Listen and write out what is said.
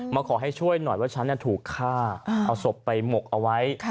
มาขอให้ช่วยหน่อยว่าฉันถูกฆ่าเอาศพไปหมกเอาไว้